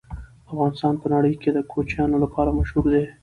افغانستان په نړۍ کې د کوچیانو لپاره مشهور دی.